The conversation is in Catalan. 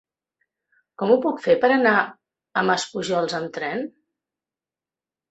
Com ho puc fer per anar a Maspujols amb tren?